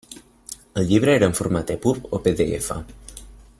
El llibre era en format EPUB o PDF?